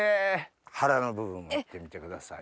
腹の部分もいってみてください